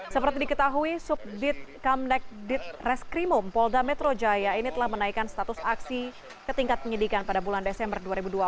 seperti diketahui subdit kamnek ditreskrimum polda metro jaya ini telah menaikkan status aksi ke tingkat penyidikan pada bulan desember dua ribu dua puluh